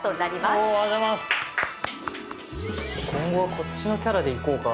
今後はこっちのキャラでいこうか。